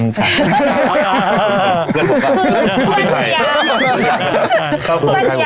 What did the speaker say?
เพื่อนดีกว่า